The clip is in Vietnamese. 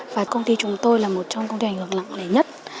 và công ty chúng tôi là một trong công ty ảnh hưởng lặng lẽ nhất